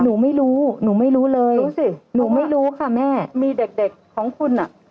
หนูไม่รู้หนูไม่รู้เลยรู้สิหนูไม่รู้ค่ะแม่มีเด็กเด็กของคุณอ่ะ